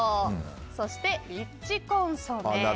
そしてリッチコンソメ。